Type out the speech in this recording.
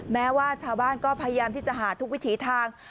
แม้ว่าชาวบ้านก็พยายามที่จะหาทุกวิถีทาง